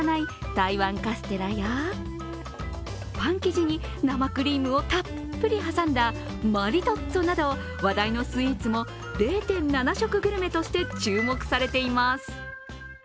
台湾カステラやパン生地に生クリームをたっぷり挟んだマリトッツォなども話題のスイーツも０．７食グルメとして注目されています。